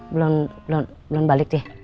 belon belon balik deh